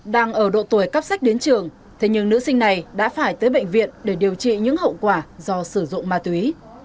đang ở độ tuổi cắp sách đến trường thế nhưng nữ sinh này đã phải tới bệnh viện để điều trị những hậu quả do sử dụng ma túy